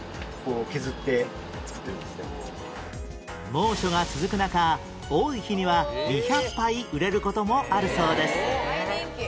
猛暑が続く中多い日には２００杯売れる事もあるそうです